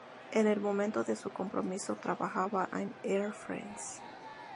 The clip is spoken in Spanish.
En el momento de su compromiso, trabajaba en Air France.